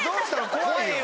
怖いよ。